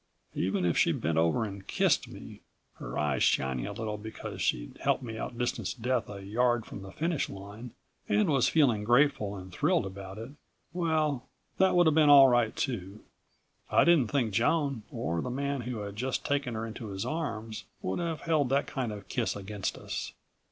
Even if she bent over and kissed me, her eyes shining a little because she'd helped me outdistance Death a yard from the finish line and was feeling grateful and thrilled about it ... well, that would have been all right too. I didn't think Joan or the man who had just taken her into his arms would have held that kind of kiss against us.